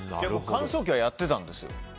乾燥機はやってたんですよ。